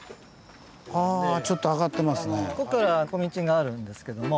こっから小道があるんですけども。